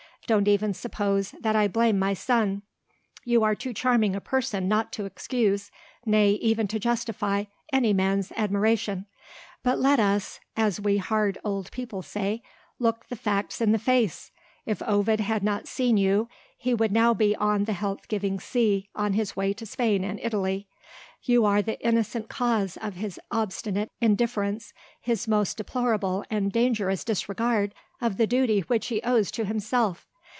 don't even suppose that I blame my son. You are too charming a person not to excuse, nay even to justify, any man's admiration. But let us (as we hard old people say) look the facts in the face. If Ovid had not seen you, he would be now on the health giving sea, on his way to Spain and Italy. You are the innocent cause of his obstinate indifference, his most deplorable and dangerous disregard of the duty which he owes to himself.